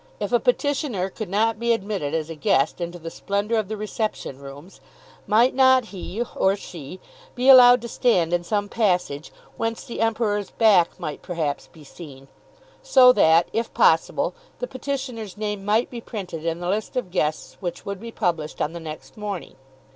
If a petitioner could not be admitted as a guest into the splendour of the reception rooms, might not he, or she, be allowed to stand in some passage whence the Emperor's back might perhaps be seen, so that, if possible, the petitioner's name might be printed in the list of guests which would be published on the next morning?